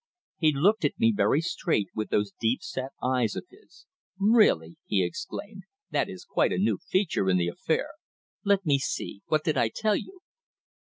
He looked at me very straight with those deep set eyes of his. "Really," he exclaimed. "That is quite a new feature in the affair. Let me see, what did I tell you?"